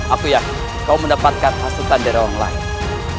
aku ya kau mendapatkan hasutan dari orang lain